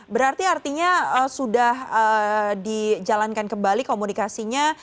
berarti artinya sudah dijalankan kembali komunikasinya